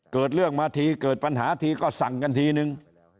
เกิดเรื่องมาทีเกิดปัญหาทีก็สั่งกันทีนึง